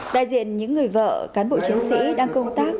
đại diện những người vợ cán bộ chiến sĩ đang công tác